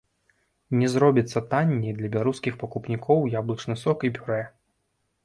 Не зробіцца танней для беларускіх пакупнікоў яблычны сок і пюрэ.